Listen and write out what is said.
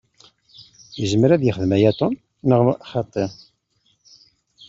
Izmer ad yexdem aya Tom, neɣ xaṭi?